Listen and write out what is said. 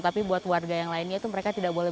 tapi buat warga yang lainnya itu mereka tidak boleh